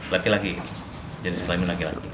laki laki jadi sekelamin laki laki